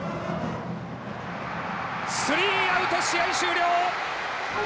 スリーアウト試合終了。